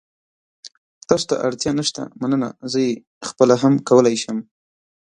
تاسو ته اړتیا نشته، مننه. زه یې خپله هم کولای شم.